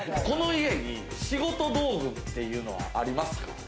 この家に仕事道具っていうのはありますか？